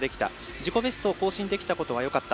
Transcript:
自己ベストを更新できたことはよかった。